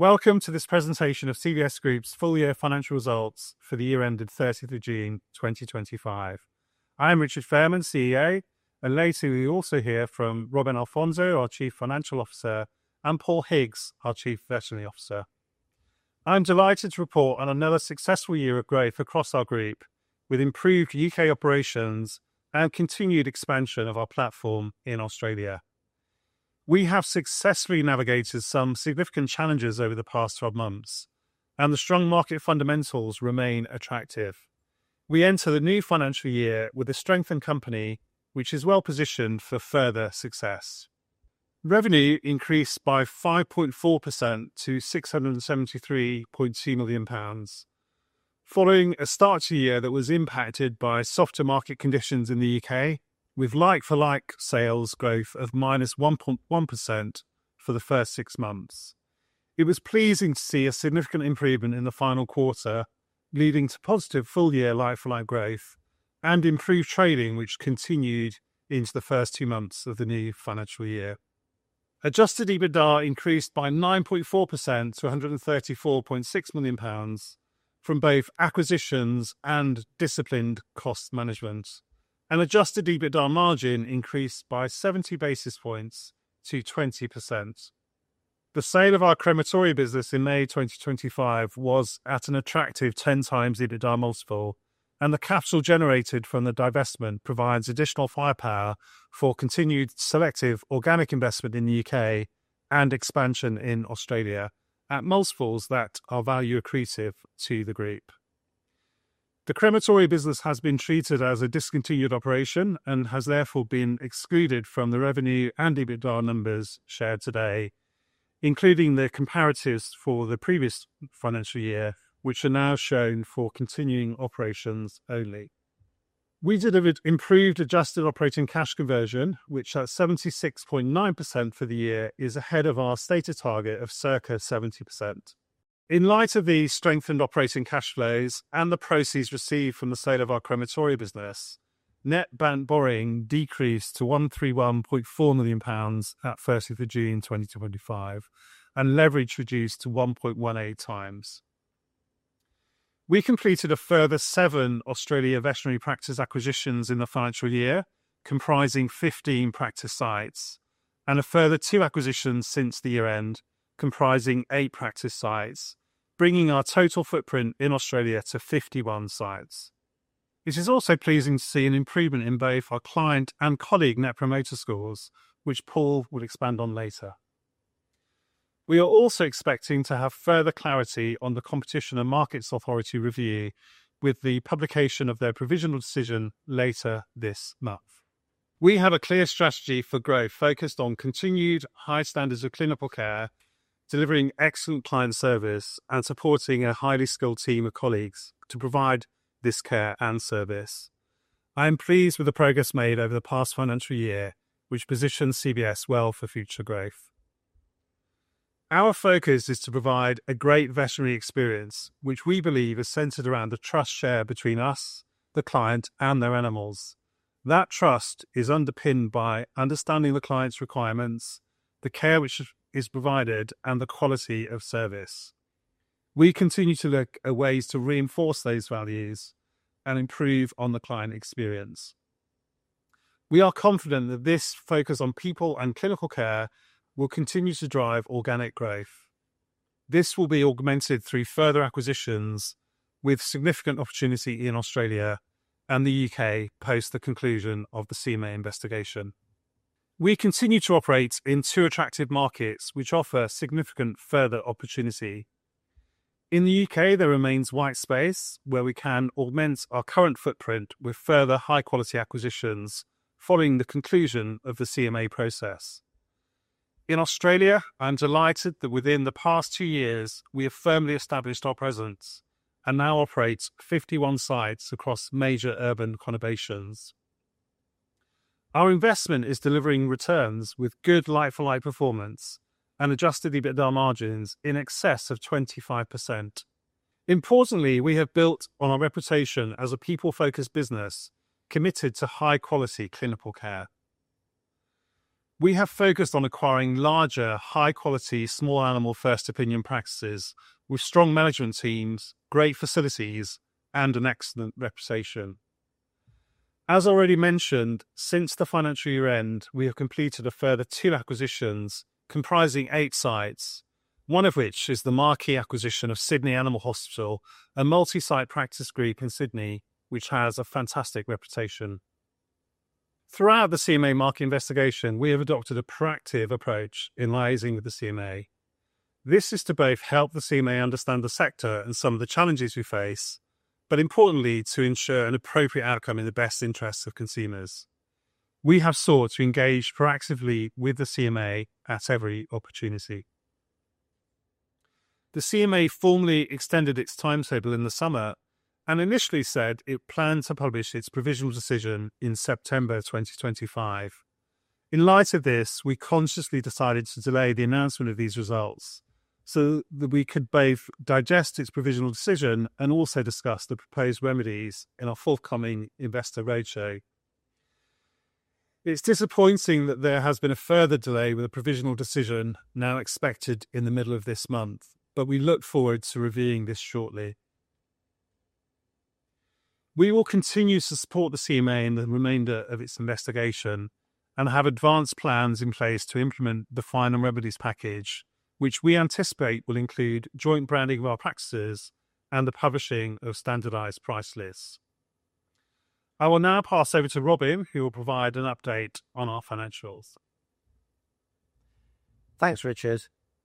Welcome to this presentation of CVS Group's full year financial results for the year ended 30th of June 2025. I am Richard Fairman, CEO, and later we also hear from Robin Alfonso, our Chief Financial Officer, and Paul Higgs, our Chief Veterinary Officer. I'm delighted to report on another successful year of growth across our group, with improved U.K. operations and continued expansion of our platform in Australia. We have successfully navigated some significant challenges over the past 12 months, and the strong market fundamentals remain attractive. We enter the new financial year with a strengthened company, which is well positioned for further success. Revenue increased by 5.4% to 673.2 million pounds, following a start to year that was impacted by softer market conditions in the U.K., with like-for-like sales growth of -1.1% for the first six months. It was pleasing to see a significant improvement in the final quarter, leading to positive full year like-for-like growth and improved trading, which continued into the first two months of the new financial year. Adjusted EBITDA increased by 9.4% to 134.6 million pounds from both acquisitions and disciplined cost management, and Adjusted EBITDA margin increased by 70 basis points to 20%. The sale of our Crematorium Business in May 2025 was at an attractive 10x EBITDA multiple, and the capital generated from the divestment provides additional firepower for continued selective organic investment in the UK and expansion in Australia at multiples that are value accretive to the group. The crematory business has been treated as a discontinued operation and has therefore been excluded from the revenue and EBITDA numbers shared today, including the comparatives for the previous financial year, which are now shown for continuing operations only. We delivered improved adjusted operating cash conversion, which at 76.9% for the year is ahead of our stated target of circa 70%. In light of the strengthened operating cash flows and the proceeds received from the sale of our Crematorium Business, net bank borrowing decreased to 131.4 million pounds at 30th of June 2025, and leverage reduced to 1.18x. We completed a further seven Australia veterinary practice acquisitions in the financial year, comprising 15 practice sites, and a further two acquisitions since the year end, comprising eight practice sites, bringing our total footprint in Australia to 51 sites. It is also pleasing to see an improvement in both our client and colleague Net Promoter Scores, which Paul will expand on later. We are also expecting to have further clarity on the Competition and Markets Authority review with the publication of their provisional decision later this month. We have a clear strategy for growth focused on continued high standards of clinical care, delivering excellent client service and supporting a highly skilled team of colleagues to provide this care and service. I am pleased with the progress made over the past financial year, which positions CVS well for future growth. Our focus is to provide a great veterinary experience, which we believe is centered around the trust shared between us, the client, and their animals. That trust is underpinned by understanding the client's requirements, the care which is provided, and the quality of service. We continue to look at ways to reinforce those values and improve on the client experience. We are confident that this focus on people and clinical care will continue to drive organic growth. This will be augmented through further acquisitions with significant opportunity in Australia and the U.K. post the conclusion of the CMA investigation. We continue to operate in two attractive markets, which offer significant further opportunity. In the U.K., there remains white space where we can augment our current footprint with further high-quality acquisitions following the conclusion of the CMA process. In Australia, I'm delighted that within the past two years we have firmly established our presence and now operate 51 sites across major urban conurbations. Our investment is delivering returns with good like-for-like performance and Adjusted EBITDA margins in excess of 25%. Importantly, we have built on our reputation as a people-focused business committed to high-quality clinical care. We have focused on acquiring larger, high-quality, small animal first opinion practices with strong management teams, great facilities, and an excellent reputation. As already mentioned, since the financial year end, we have completed a further two acquisitions comprising eight sites, one of which is the marquee acquisition of Sydney Animal Hospital, a multi-site practice group in Sydney which has a fantastic reputation. Throughout the CMA merger investigation, we have adopted a proactive approach in liaising with the CMA. This is to both help the CMA understand the sector and some of the challenges we face, but importantly to ensure an appropriate outcome in the best interests of consumers. We have sought to engage proactively with the CMA at every opportunity. The CMA formally extended its timetable in the summer and initially said it planned to publish its provisional decision in September 2025. In light of this, we consciously decided to delay the announcement of these results so that we could both digest its provisional decision and also discuss the proposed remedies in our forthcoming investor roadshow. It's disappointing that there has been a further delay with a provisional decision now expected in the middle of this month, but we look forward to reviewing this shortly. We will continue to support the CMA in the remainder of its investigation and have advanced plans in place to implement the final remedies package, which we anticipate will include joint branding of our practices and the publishing of standardized price lists. I will now pass over to Robin, who will provide an update on our financials. Thanks, Richard.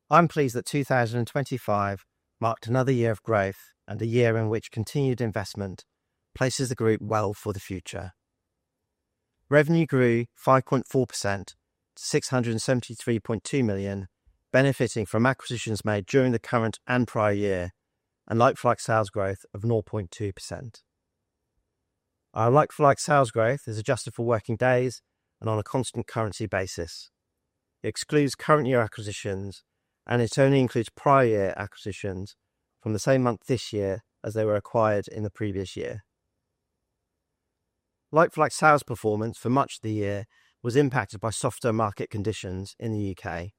I'm pleased that 2025 marked another year of growth and a year in which continued investment places the group well for the future. Revenue grew 5.4% to 673.2 million, benefiting from acquisitions made during the current and prior year and like-for-like sales growth of 0.2%. Our like-for-like sales growth is adjusted for working days and on a constant currency basis. It excludes current year acquisitions and it only includes prior year acquisitions from the same month this year as they were acquired in the previous year. Like-for-like sales performance for much of the year was impacted by softer market conditions in the U.K.,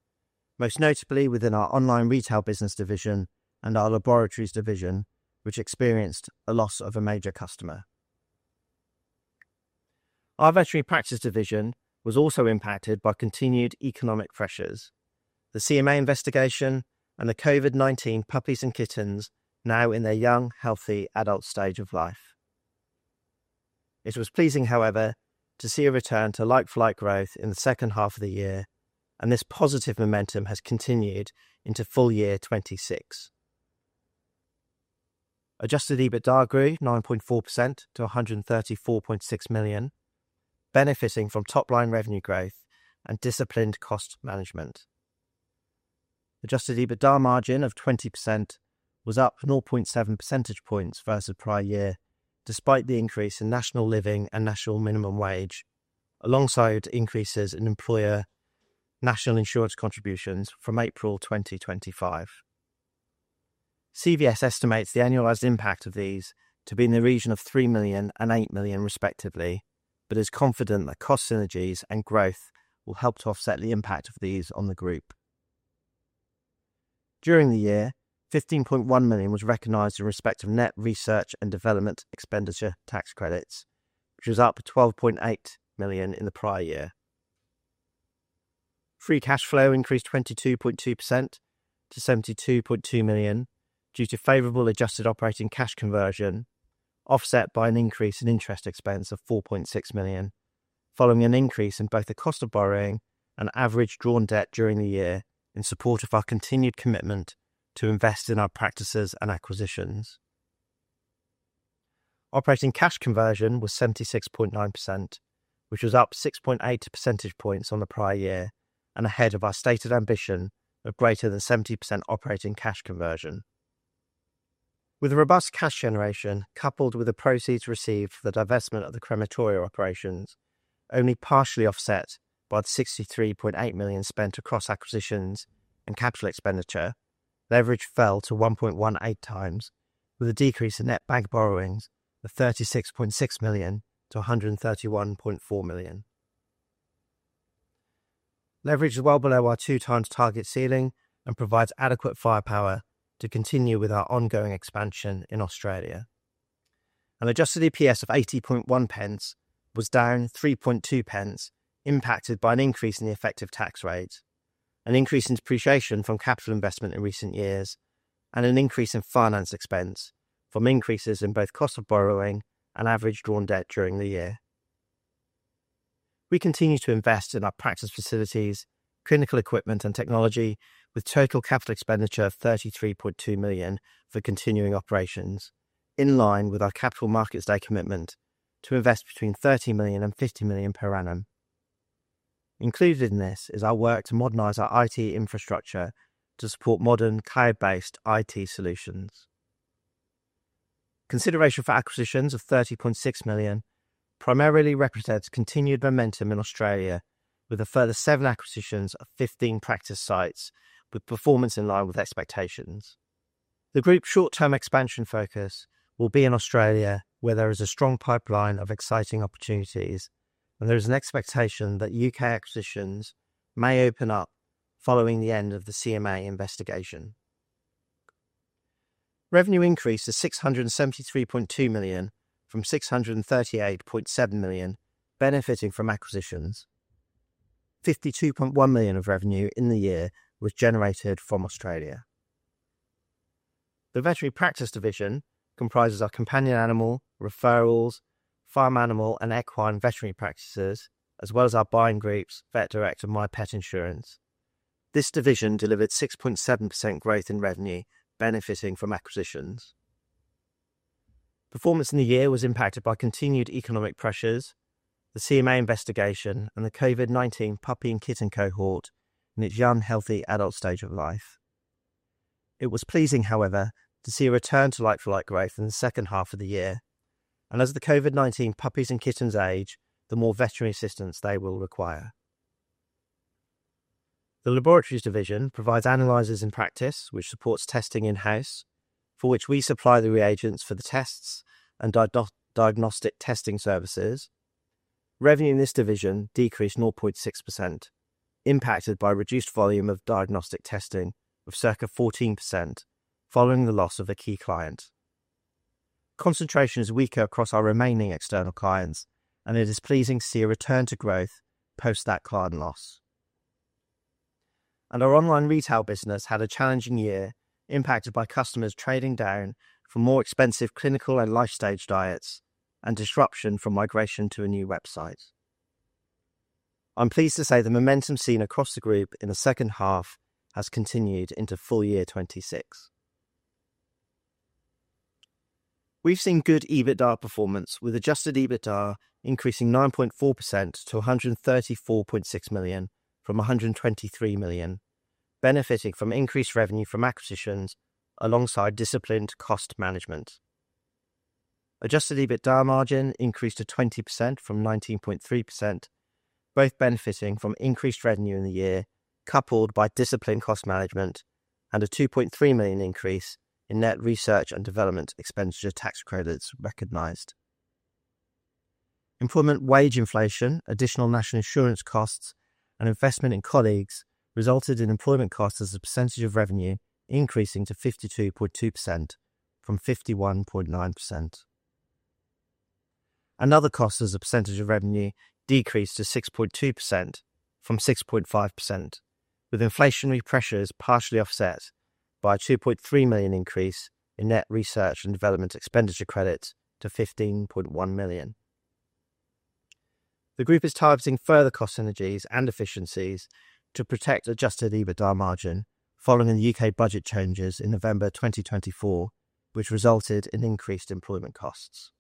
most notably within our online retail business division and our laboratories division, which experienced a loss of a major customer. Our veterinary practice division was also impacted by continued economic pressures, the CMA investigation, and the COVID-19 puppies and kittens now in their young, healthy adult stage of life. It was pleasing, however, to see a return to like-for-like growth in the second half of the year, and this positive momentum has continued into full year 2026. Adjusted EBITDA grew 9.4% to 134.6 million, benefiting from top-line revenue growth and disciplined cost management. Adjusted EBITDA margin of 20% was up 0.7 percentage points versus prior year, despite the increase in National Living Wage and National Minimum Wage, alongside increases in employer National Insurance contributions from April 2025. CVS estimates the annualized impact of these to be in the region of 3 million and 8 million, respectively, but is confident that cost synergies and growth will help to offset the impact of these on the group. During the year, 15.1 million was recognized in respect of net research and development expenditure tax credits, which was up to 12.8 million in the prior year. Free cash flow increased 22.2% to 72.2 million due to favorable adjusted operating cash conversion, offset by an increase in interest expense of 4.6 million, following an increase in both the cost of borrowing and average drawn debt during the year in support of our continued commitment to invest in our practices and acquisitions. Operating cash conversion was 76.9%, which was up 6.8 percentage points on the prior year and ahead of our stated ambition of greater than 70% operating cash conversion. With a robust cash generation coupled with the proceeds received for the divestment of the crematory operations, only partially offset by the 63.8 million spent across acquisitions and capital expenditure, leverage fell to 1.18x, with a decrease in net bank borrowings of 36.6 million-131.4 million. Leverage is well below our two times target ceiling and provides adequate firepower to continue with our ongoing expansion in Australia. An Adjusted EPS of 80.1 was down 0.032, impacted by an increase in the effective tax rate, an increase in depreciation from capital investment in recent years, and an increase in finance expense from increases in both cost of borrowing and average drawn debt during the year. We continue to invest in our practice facilities, clinical equipment, and technology, with total capital expenditure of 33.2 million for continuing operations, in line with our Capital Markets Day commitment to invest between 30 million and 50 million per annum. Included in this is our work to modernize our IT infrastructure to support modern cloud-based IT solutions. Consideration for acquisitions of 30.6 million primarily represents continued momentum in Australia, with a further seven acquisitions of 15 practice sites with performance in line with expectations. The group's short-term expansion focus will be in Australia, where there is a strong pipeline of exciting opportunities, and there is an expectation that U.K. acquisitions may open up following the end of the CMA investigation. Revenue increased to 673.2 million from 638.7 million, benefiting from acquisitions. 52.1 million of revenue in the year was generated from Australia. The veterinary practice division comprises our companion animal, referrals, farm animal, and equine veterinary practices, as well as our buying groups, VetDirect, and MiPet insurance. This division delivered 6.7% growth in revenue, benefiting from acquisitions. Performance in the year was impacted by continued economic pressures, the CMA investigation, and the COVID-19 puppy and kitten cohort in its young, healthy adult stage of life. It was pleasing, however, to see a return to like-for-like growth in the second half of the year, and as the COVID-19 puppies and kittens age, the more veterinary assistance they will require. The laboratories division provides analyzers in practice, which supports testing in-house, for which we supply the reagents for the tests and diagnostic testing services. Revenue in this division decreased 0.6%, impacted by reduced volume of diagnostic testing of circa 14% following the loss of a key client. Concentration is weaker across our remaining external clients, and it is pleasing to see a return to growth post that client loss. And our online retail business had a challenging year impacted by customers trading down for more expensive clinical and life stage diets and disruption from migration to a new website. I'm pleased to say the momentum seen across the group in the second half has continued into full year 2026. We've seen good EBITDA performance, with Adjusted EBITDA increasing 9.4% to 134.6 million from 123 million, benefiting from increased revenue from acquisitions alongside disciplined cost management. Adjusted EBITDA margin increased to 20% from 19.3%, both benefiting from increased revenue in the year coupled by disciplined cost management and a 2.3 million increase in net research and development expenditure tax credits recognized. Employment wage inflation, additional National Insurance costs, and investment in colleagues resulted in employment costs as a percentage of revenue increasing to 52.2% from 51.9%, and other costs as a percentage of revenue decreased to 6.2% from 6.5%, with inflationary pressures partially offset by a 2.3 million increase in net research and development expenditure credits to 15.1 million. The group is targeting further cost synergies and efficiencies to protect Adjusted EBITDA margin following the U.K. budget changes in November 2024, which resulted in increased employment costs.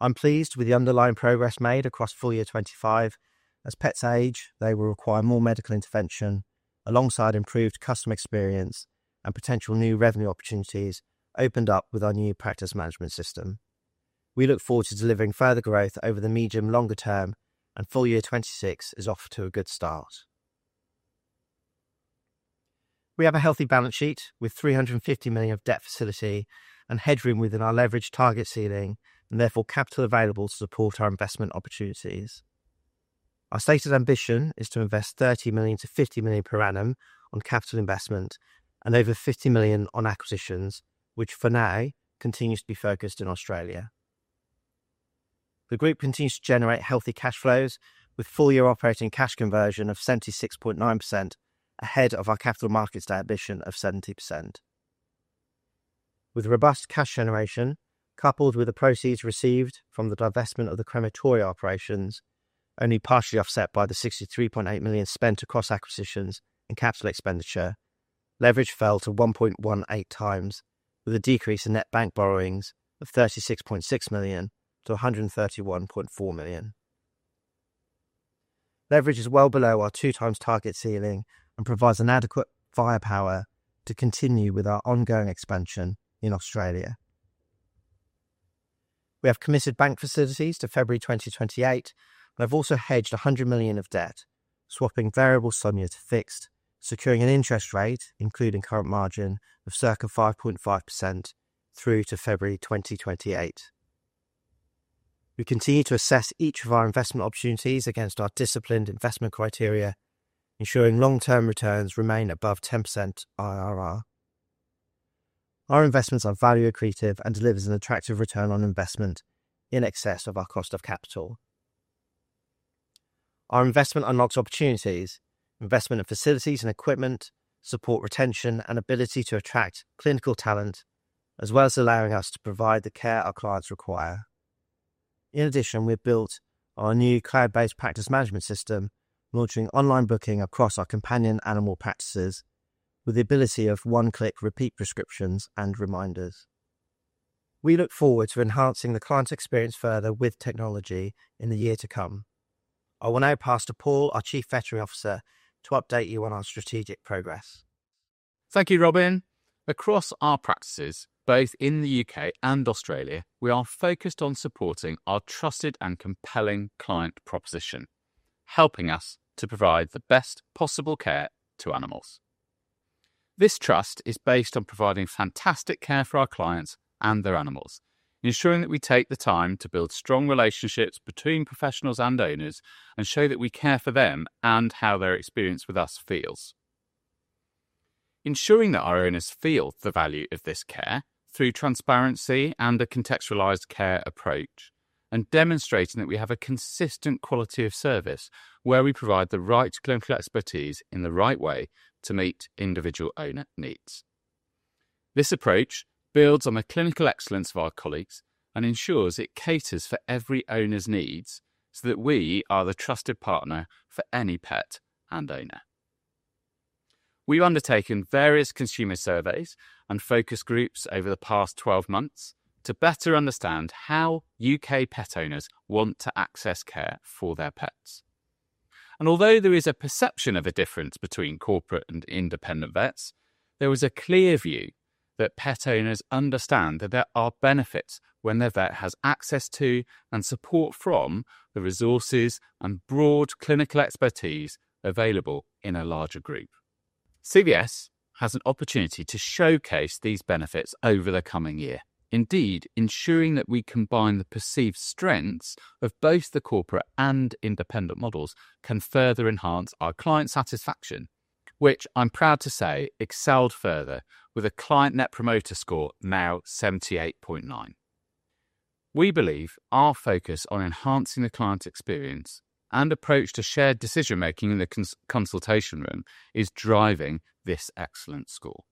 I'm pleased with the underlying progress made across full year 2025. As pets age, they will require more medical intervention alongside improved customer experience and potential new revenue opportunities opened up with our new practice management system. We look forward to delivering further growth over the medium-longer term, and full year 2026 is off to a good start. We have a healthy balance sheet with 350 million of debt facility and headroom within our leverage target ceiling and therefore capital available to support our investment opportunities. Our stated ambition is to invest 30 million-50 million per annum on capital investment and over 50 million on acquisitions, which for now continues to be focused in Australia. The group continues to generate healthy cash flows with full year operating cash conversion of 76.9% ahead of our Capital Markets Day ambition of 70%. With robust cash generation coupled with the proceeds received from the divestment of the crematory operations, only partially offset by the 63.8 million spent across acquisitions and capital expenditure, leverage fell to 1.18x, with a decrease in net bank borrowings of 36.6 million-131.4 million. Leverage is well below our two times target ceiling and provides an adequate firepower to continue with our ongoing expansion in Australia. We have committed bank facilities to February 2028 and have also hedged 100 million of debt, swapping variable SONIA to fixed, securing an interest rate, including current margin, of circa 5.5% through to February 2028. We continue to assess each of our investment opportunities against our disciplined investment criteria, ensuring long-term returns remain above 10% IRR. Our investments are value accretive and deliver an attractive return on investment in excess of our cost of capital. Our investment unlocks opportunities, investment in facilities and equipment, support retention and ability to attract clinical talent, as well as allowing us to provide the care our clients require. In addition, we have built our new cloud-based practice management system, launching online booking across our companion animal practices, with the ability of one-click repeat prescriptions and reminders. We look forward to enhancing the client experience further with technology in the year to come. I will now pass to Paul, our Chief Veterinary Officer, to update you on our strategic progress. Thank you, Robin. Across our practices, both in the U.K. and Australia, we are focused on supporting our trusted and compelling client proposition, helping us to provide the best possible care to animals. This trust is based on providing fantastic care for our clients and their animals, ensuring that we take the time to build strong relationships between professionals and owners and show that we care for them and how their experience with us feels. Ensuring that our owners feel the value of this care through transparency and a contextualized care approach, and demonstrating that we have a consistent quality of service where we provide the right clinical expertise in the right way to meet individual owner needs. This approach builds on the clinical excellence of our colleagues and ensures it caters for every owner's needs so that we are the trusted partner for any pet and owner. We've undertaken various consumer surveys and focus groups over the past 12 months to better understand how U.K. pet owners want to access care for their pets, and although there is a perception of a difference between corporate and independent vets, there is a clear view that pet owners understand that there are benefits when their vet has access to and support from the resources and broad clinical expertise available in a larger group. CVS has an opportunity to showcase these benefits over the coming year. Indeed, ensuring that we combine the perceived strengths of both the corporate and independent models can further enhance our client satisfaction, which I'm proud to say excelled further with a client Net Promoter Score now 78.9. We believe our focus on enhancing the client experience and approach to shared decision-making in the consultation room is driving this excellent score.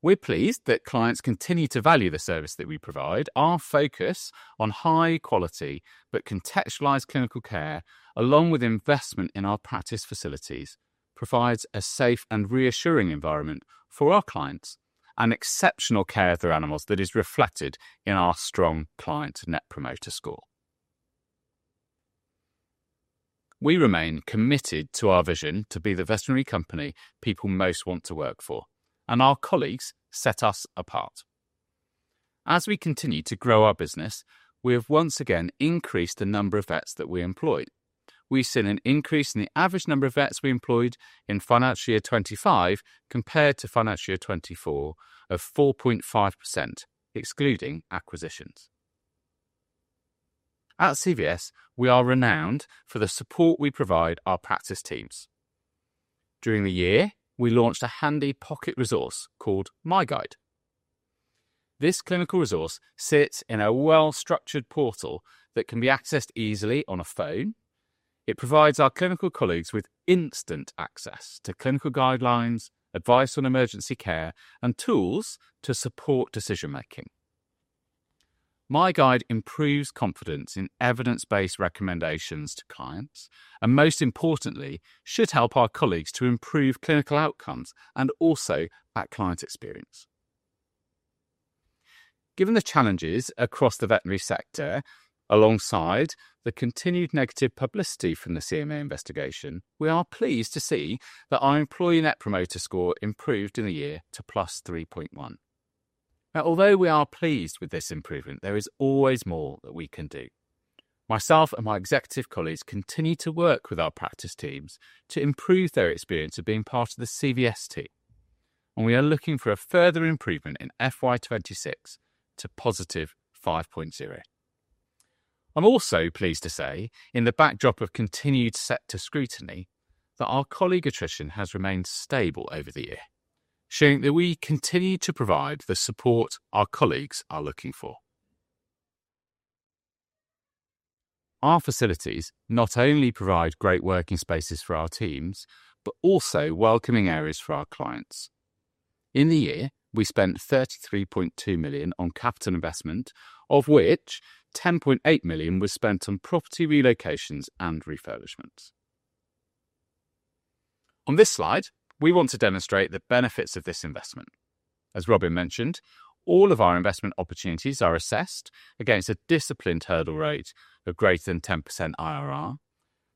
We're pleased that clients continue to value the service that we provide. Our focus on high-quality but contextualized clinical care, along with investment in our practice facilities, provides a safe and reassuring environment for our clients and exceptional care for animals that is reflected in our strong client Net Promoter Score. We remain committed to our vision to be the veterinary company people most want to work for, and our colleagues set us apart. As we continue to grow our business, we have once again increased the number of vets that we employed. We've seen an increase in the average number of vets we employed in financial year 2025 compared to financial year 2024 of 4.5%, excluding acquisitions. At CVS, we are renowned for the support we provide our practice teams. During the year, we launched a handy pocket resource called MiGuide. This clinical resource sits in a well-structured portal that can be accessed easily on a phone. It provides our clinical colleagues with instant access to clinical guidelines, advice on emergency care, and tools to support decision-making. MiGuide improves confidence in evidence-based recommendations to clients and, most importantly, should help our colleagues to improve clinical outcomes and also that client experience. Given the challenges across the veterinary sector, alongside the continued negative publicity from the CMA investigation, we are pleased to see that our employee Net Promoter Score improved in the year to plus 3.1. Now, although we are pleased with this improvement, there is always more that we can do. Myself and my executive colleagues continue to work with our practice teams to improve their experience of being part of the CVS team, and we are looking for a further improvement in FY 2026 to positive 5.0. I'm also pleased to say, in the backdrop of continued sector scrutiny, that our colleague attrition has remained stable over the year, showing that we continue to provide the support our colleagues are looking for. Our facilities not only provide great working spaces for our teams, but also welcoming areas for our clients. In the year, we spent 33.2 million on capital investment, of which 10.8 million was spent on property relocations and refurbishment. On this slide, we want to demonstrate the benefits of this investment. As Robin mentioned, all of our investment opportunities are assessed against a disciplined hurdle rate of greater than 10% IRR.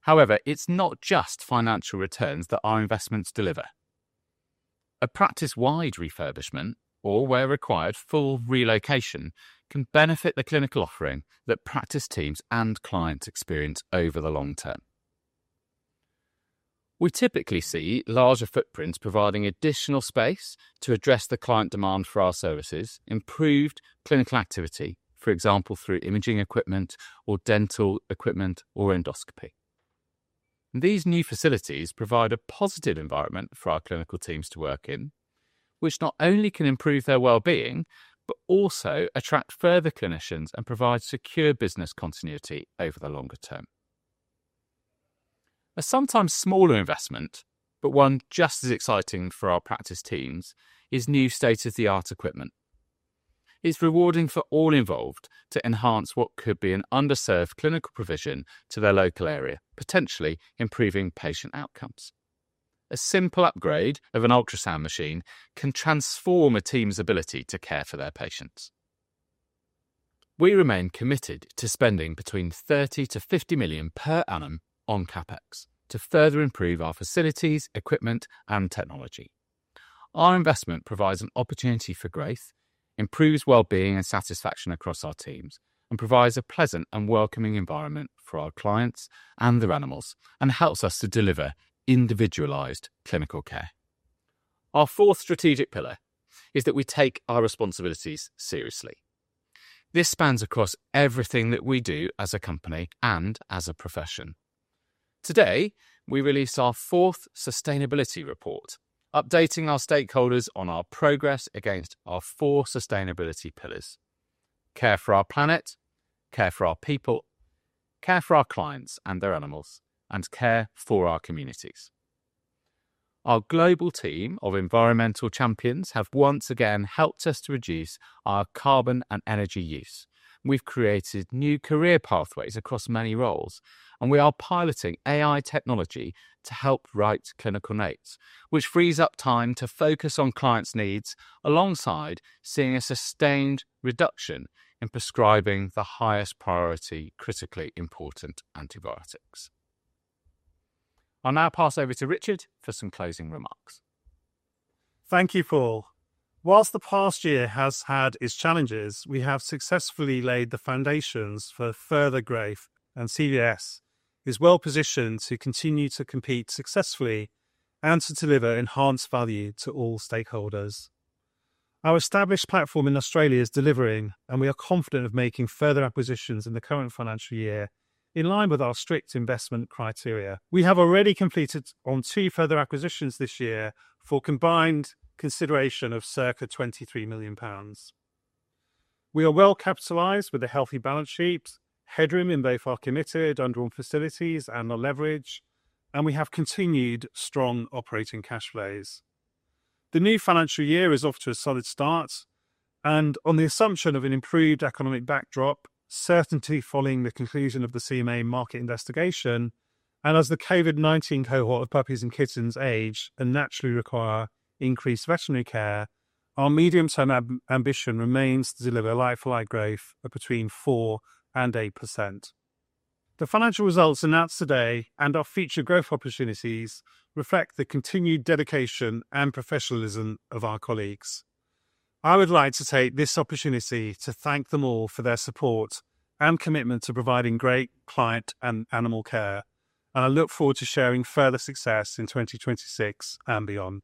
However, it's not just financial returns that our investments deliver. A practice-wide refurbishment, or where required, full relocation can benefit the clinical offering that practice teams and clients experience over the long term. We typically see larger footprints providing additional space to address the client demand for our services, improved clinical activity, for example, through imaging equipment or dental equipment or endoscopy. These new facilities provide a positive environment for our clinical teams to work in, which not only can improve their well-being, but also attract further clinicians and provide secure business continuity over the longer term. A sometimes smaller investment, but one just as exciting for our practice teams, is new state-of-the-art equipment. It's rewarding for all involved to enhance what could be an underserved clinical provision to their local area, potentially improving patient outcomes. A simple upgrade of an ultrasound machine can transform a team's ability to care for their patients. We remain committed to spending between 30 million-50 million per annum on CapEx to further improve our facilities, equipment, and technology. Our investment provides an opportunity for growth, improves well-being and satisfaction across our teams, and provides a pleasant and welcoming environment for our clients and their animals, and helps us to deliver individualized clinical care. Our fourth strategic pillar is that we take our responsibilities seriously. This spans across everything that we do as a company and as a profession. Today, we release our fourth sustainability report, updating our stakeholders on our progress against our four sustainability pillars: care for our planet, care for our people, care for our clients and their animals, and care for our communities. Our global team of environmental champions have once again helped us to reduce our carbon and energy use. We've created new career pathways across many roles, and we are piloting AI technology to help write clinical notes, which frees up time to focus on clients' needs alongside seeing a sustained reduction in prescribing the highest priority critically important antibiotics. I'll now pass over to Richard for some closing remarks. Thank you, Paul. While the past year has had its challenges, we have successfully laid the foundations for further growth, and CVS is well positioned to continue to compete successfully and to deliver enhanced value to all stakeholders. Our established platform in Australia is delivering, and we are confident of making further acquisitions in the current financial year in line with our strict investment criteria. We have already completed two further acquisitions this year for combined consideration of circa 23 million pounds. We are well capitalized with a healthy balance sheet, headroom in both our committed undrawn facilities and our leverage, and we have continued strong operating cash flows. The new financial year is off to a solid start, and on the assumption of an improved economic backdrop, certainty following the conclusion of the CMA market investigation, and as the COVID-19 cohort of puppies and kittens age and naturally require increased veterinary care, our medium-term ambition remains to deliver like-for-like growth of between 4% and 8%. The financial results announced today and our future growth opportunities reflect the continued dedication and professionalism of our colleagues. I would like to take this opportunity to thank them all for their support and commitment to providing great client and animal care, and I look forward to sharing further success in 2026 and beyond.